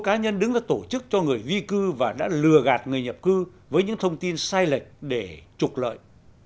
cá nhân đứng ra tổ chức cho người di cư và đã lừa gạt người nhập cư với những thông tin sai lệch để trục lợi